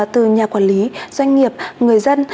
từ nhà quản lý doanh nghiệp người dân